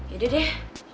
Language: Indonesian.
ya udah deh